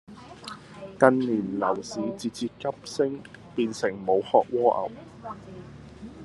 近年樓市節節急升，變成無殼蝸牛